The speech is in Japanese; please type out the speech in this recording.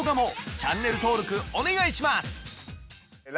チャンネル登録お願いします。